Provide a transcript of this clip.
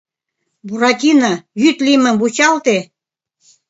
— Буратино, йӱд лиймым вучалте.